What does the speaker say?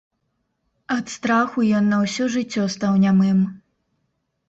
Ад страху ён на ўсё жыццё стаў нямым.